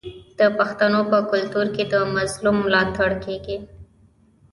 د پښتنو په کلتور کې د مظلوم ملاتړ کیږي.